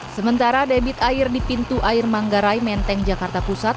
sementara debit air di pintu air manggarai menteng jakarta pusat